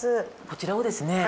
こちらをですね